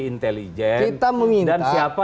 intelijen kita meminta dan siapa